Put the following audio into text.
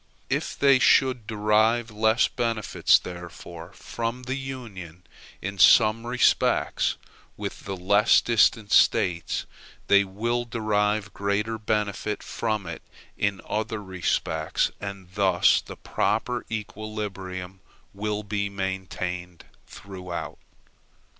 If they should derive less benefit, therefore, from the Union in some respects than the less distant States, they will derive greater benefit from it in other respects, and thus the proper equilibrium will be maintained throughout.